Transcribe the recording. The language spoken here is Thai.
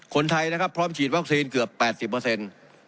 คนไทยนะครับพร้อมฉีดวัคซีนเกือบ๘๐เปอร์เซ็นต์